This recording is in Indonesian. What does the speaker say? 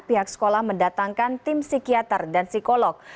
pihak sekolah mendatangkan tim psikiater dan psikolog